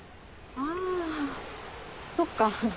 あそっか。